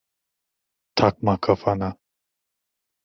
Takma kafana.